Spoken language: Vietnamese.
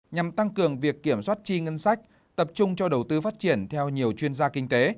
nhằm tăng cường việc kiểm soát chi ngân sách tập trung cho đầu tư phát triển theo nhiều chuyên gia kinh tế